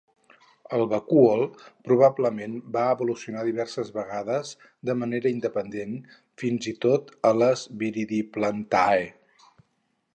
El vacúol probablement va evolucionar diverses vegades de manera independent, fins i tot a les Viridiplantae.